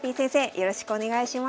よろしくお願いします。